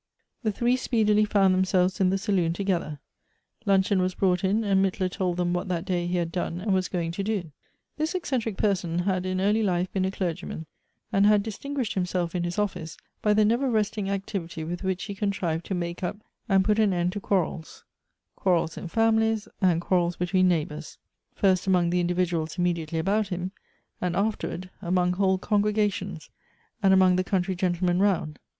The three speedily found themselves in the saloon to gether. Luncheon was brought in, and Mittler told them what that day he had done, and was going to do. This eccentric person had in early life been a clergyman, and had distinguished himself in his office by the never resting activity with which he contrived to make up and put an end to quarrels; quan els in families, and quarrels be tween neighbors ; first among the individuals immediately about him, and afterwards among whole congregations, and among the country gentlemen round.